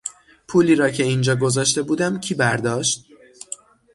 پولی را که اینجا گذاشته بودم کی برداشت؟